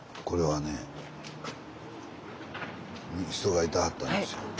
これはね人がいてはったんですよ。